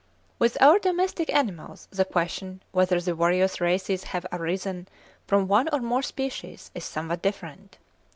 With our domestic animals the question whether the various races have arisen from one or more species is somewhat different.